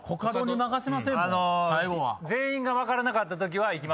全員が分からなかったときはいきますよ。